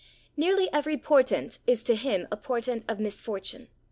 Nearly every portent is to him a portent of misfortune.